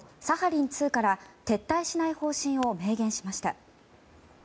サハリン２から撤退しない方針を明言しました。